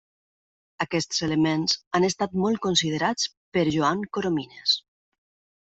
Aquests elements han estat molt considerats per Joan Coromines.